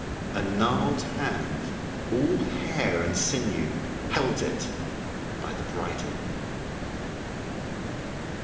A gnarled hand, all hair and sinew, held it by the bridle.